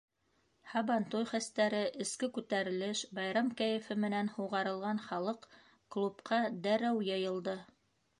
Һабантуй хәстәре, эске күтәрелеш, байрам кәйефе менән һуғарылған халыҡ клубҡа дәррәү йыйылды.